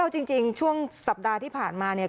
จริงช่วงสัปดาห์ที่ผ่านมาเนี่ย